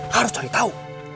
harus cari tahu